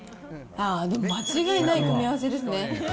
間違いない組み合わせですね。